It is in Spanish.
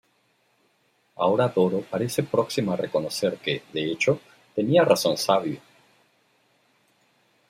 Ahora Doro parece próxima a reconocer que, de hecho, tenía razón Savio.